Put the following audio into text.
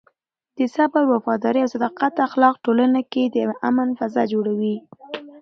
د صبر، وفادارۍ او صداقت اخلاق ټولنه کې د امن فضا جوړوي.